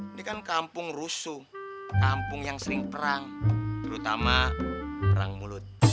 ini kan kampung rusuh kampung yang sering perang terutama perang mulut